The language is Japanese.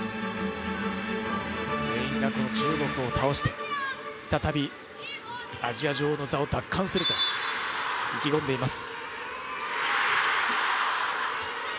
全員が中国を倒して、再びアジア女王の座を奪還すると意気込んでいます。